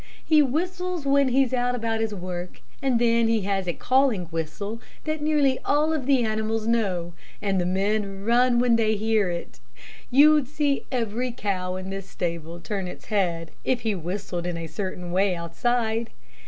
He whistles when he's about his work, and then he has a calling whistle that nearly all of the animals know, and the men run when they hear it. You'd see every cow in this stable turn its head, if he whistled in a certain way outside.